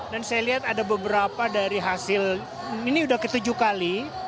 dan saya lihat ada beberapa dari hasil ini udah ketujuh kali